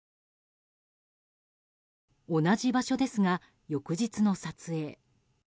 同じ場所ですが、翌日の撮影。